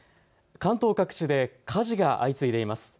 関東各地で火事が相次いでいます。